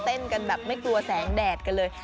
เต้นกันแบบไม่กลัวแสงแดดกันเลย